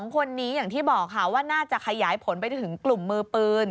๒คนนี้อย่างที่บอกค่ะว่าน่าจะขยายผลไปถึงกลุ่มมือปืน